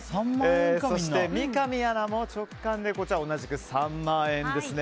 そして三上アナも直感で同じく３万円ですね。